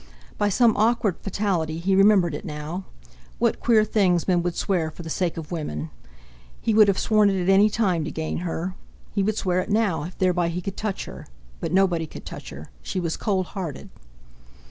By some awkward fatality he remembered it now. What queer things men would swear for the sake of women! He would have sworn it at any time to gain her! He would swear it now, if thereby he could touch her—but nobody could touch her, she was cold hearted!